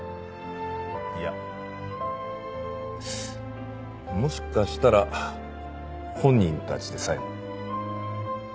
いやもしかしたら本人たちでさえも。